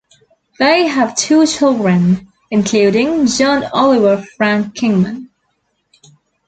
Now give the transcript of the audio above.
They have two children, including John Oliver Frank Kingman.